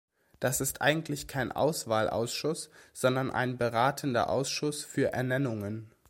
Das ist eigentlich kein Auswahlausschuss, sondern ein Beratender Ausschuss für Ernennungen.